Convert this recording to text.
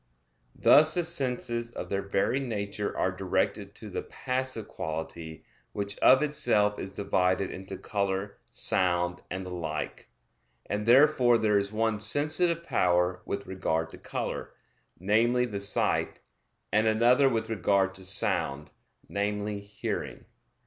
Thus the senses of their very nature are directed to the passive quality which of itself is divided into color, sound, and the like, and therefore there is one sensitive power with regard to color, namely, the sight, and another with regard to sound, namely, hearing.